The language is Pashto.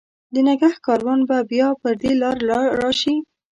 د نګهت کاروان به بیا پر دې لار، راشي